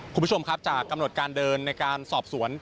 คุณผู้ชมครับจากกำหนดการเดินในการสอบสวน